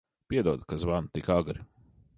Piedod, ka zvanu tik agri.